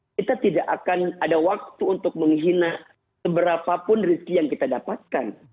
kita tidak akan ada waktu untuk menghina seberapapun rizki yang kita dapatkan